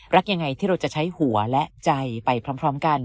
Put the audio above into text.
รักยังไงที่เราจะใช้หัวและใจไปพร้อมกัน